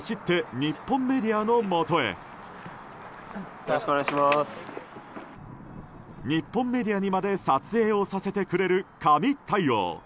日本メディアにまで撮影させてくれる神対応。